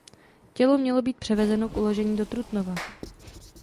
Tělo mělo být převezeno k uložení do Trutnova.